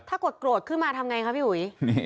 ถ้ากดโกรธขึ้นมาทำไงคะพี่อุ๋ย